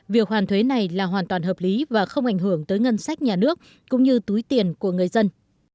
việc hoàn thuế này là hoàn toàn hợp lý và không ảnh hưởng tới ngân sách nhà nước cũng như túi tiền của người dân